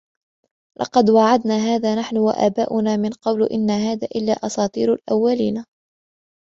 لقد وعدنا هذا نحن وآباؤنا من قبل إن هذا إلا أساطير الأولين